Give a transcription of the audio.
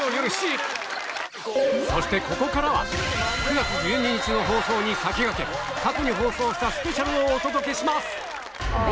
そしてここからは９月１２日の放送に先駆け過去に放送したスペシャルをお届けします